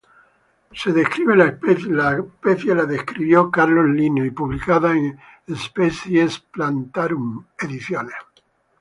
La especie fue descrita por Carlos Linneo y publicada en "Species Plantarum", ed.